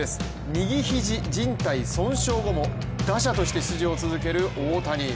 右肘じん帯損傷後も、打者として出場を続ける大谷。